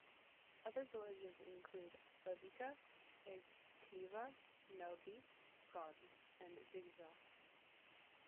Other villages include Buvika, Eggkleiva, Melby, Skaun, and Viggja.